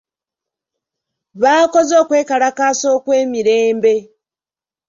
Baakoze okwekalakaasa okw'emirembe.